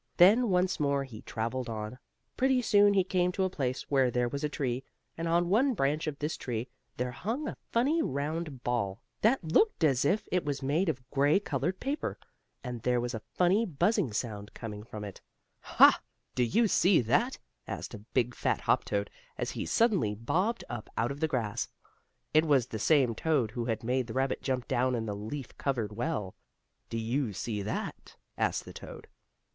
Then, once more, he traveled on. Pretty soon he came to a place where there was a tree, and on one branch of this tree there hung a funny round ball, that looked as if it was made of gray colored paper. And there was a funny buzzing sound coming from it. "Ha! Do you see that?" asked a big, fat hop toad, as he suddenly bobbed up out of the grass. It was the same toad who had made the rabbit jump down in the leaf covered well. "Do you see that?" asked the toad.